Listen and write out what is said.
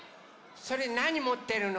それなにもってるの？